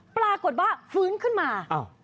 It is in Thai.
ปรากฏว่าฟื้นขึ้นมา